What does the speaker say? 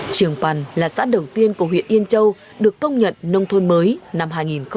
trường pần là xã đầu tiên của huyện yên châu được công nhận nông thôn mới năm hai nghìn một mươi